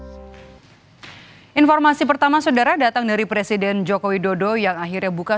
hai informasi pertama saudara datang dari presiden jokowi dodo yang akhirnya buka